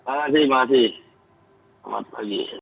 terima kasih terima kasih selamat pagi